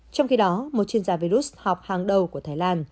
trong khi đó một chuyên gia virus học hàng đầu của thái lan